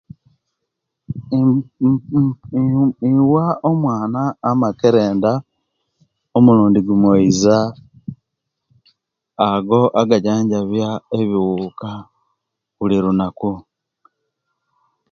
Uuuuh uuum mpwa omwana amakerenda omulundi gumweiza ago agajanjabiya ebibuka bulirunaku